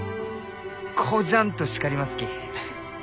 こじゃんと叱りますき。